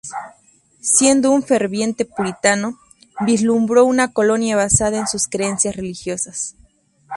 Siendo un ferviente puritano, vislumbró una colonia basada en sus creencias religiosas.